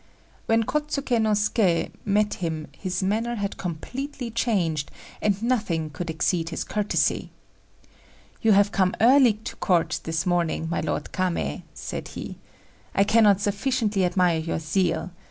When Kôtsuké no Suké met him his manner had completely changed, and nothing could exceed his courtesy. "You have come early to Court this morning, my Lord Kamei," said he. "I cannot sufficiently admire your zeal.